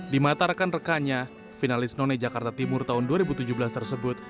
dimatarkan rekannya finalis none jakarta timur tahun dua ribu tujuh belas tersebut